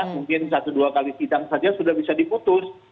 mungkin satu dua kali sidang saja sudah bisa diputus